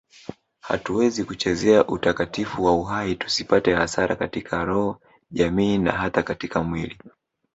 Hatuwezi kuchezea utakatifu wa uhai tusipate hasara katika roho jamii na hata katika mwili